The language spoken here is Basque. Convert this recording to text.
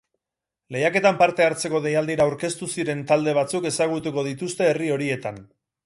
Lehiaketan parte hartzeko deialdira aurkeztu ziren talde batzuk ezagutuko dituzte herri horietan.